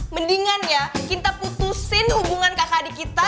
mendingan ya kita putusin hubungan kakak adik kita